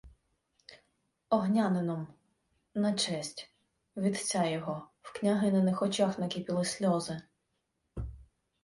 — Огняном, на честь... вітця його. В княгининих очах накипіли сльози.